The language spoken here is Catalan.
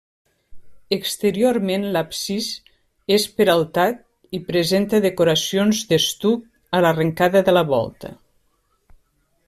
Exteriorment l'absis és peraltat i presenta decoracions d'estuc a l'arrencada de la volta.